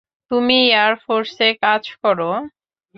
তুমি এয়ারফোর্সে কাজ করো?